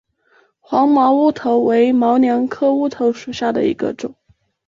黄毛乌头为毛茛科乌头属下的一个种。